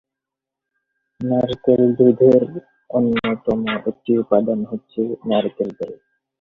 নারকেল দুধের অন্যতম একটি উপাদান হচ্ছে নারকেল তেল।